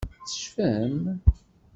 Tecfam?